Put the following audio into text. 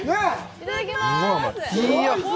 いただきます！